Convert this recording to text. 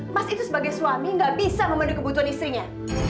mas itu sebagai suami nggak bisa memenuhi kebutuhan istrinya